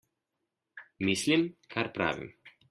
Mislim, kar pravim.